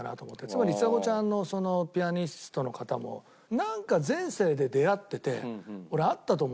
つまりちさ子ちゃんのそのピアニストの方もなんか前世で出会ってて俺あったと思うんだよね。